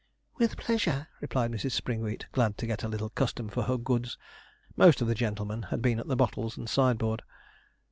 'With pleasure,' replied Mrs. Springwheat, glad to get a little custom for her goods. Most of the gentlemen had been at the bottles and sideboard.